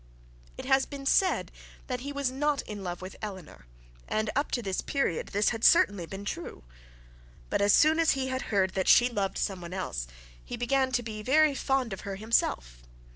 It has been said that he was not in love with Eleanor, and up to this period this certainly had been true. But as soon as he heard that she loved some one else, he began to be very fond of her himself.